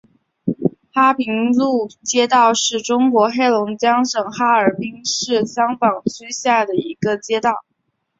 哈平路街道是中国黑龙江省哈尔滨市香坊区下辖的一个街道。